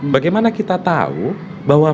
bagaimana kita tahu bahwa